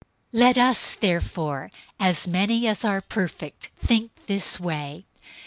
003:015 Let us therefore, as many as are perfect, think this way.